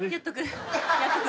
やっとく。